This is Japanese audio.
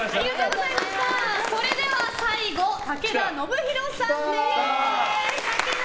それでは最後武田修宏さんです。